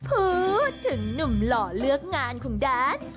พูดถึงหนุ่มหล่อเลือกงานของแดน